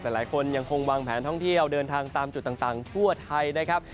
แต่หลายคนยังคงวางแผนท่องเที่ยวเดินทางตามจุดต่างทั่วไทยนะครับ